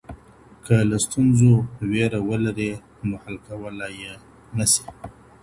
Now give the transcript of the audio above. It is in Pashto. که له ستونزو وېره ولرې نو حل کولای یې نسې.